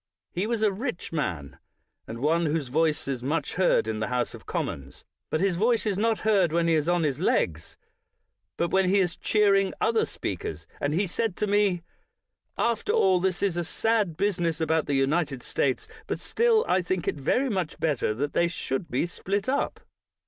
He was a rich man, and one whose voice is much heard in the House of Commons; but his voice is not heard when he is on his legs, but when he is cheering other speakers; and he said to me: "After all, this is a sad business about the United States ; but still I think it very much better that they should be split up.